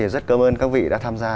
rất cảm ơn các vị đã tham gia